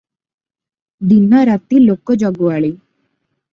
ଦିନ ରାତି ଲୋକ ଜଗୁଆଳି ।